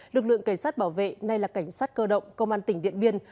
lực lượng cảnh sát bảo vệ nay là cảnh sát cơ động công an tỉnh điện biên